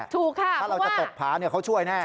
ถ้าเราจะเติบผาเขาช่วยแน่